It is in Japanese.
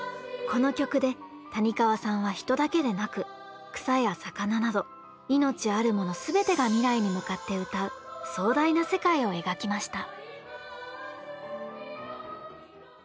この曲で谷川さんは人だけでなく草や魚など命あるもの全てが未来に向かって歌う壮大な世界を描きました。